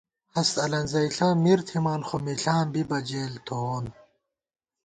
ہست لېڑَئیݪہ مِر تھِمان خو مِݪاں بِبہ جېل، تھووون